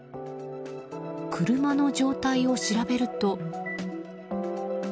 車の状態を調べると。